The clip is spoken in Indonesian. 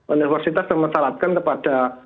universitas memasaratkan kepada